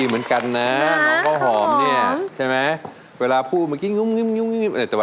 รักแต่พี่ด้วยใจเดียวรักแต่พี่ด้วยใจเดียว